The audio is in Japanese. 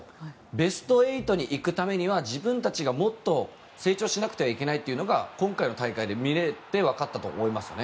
ベスト８に行くためには自分たちがもっと成長しなくてはいけないというのが今回の大会で見れてわかったと思いますね。